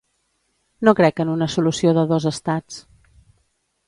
No crec en una solució de dos estats.